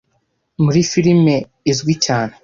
muri firime izwi cyane